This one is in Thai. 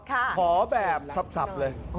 ขอแบบสับเลย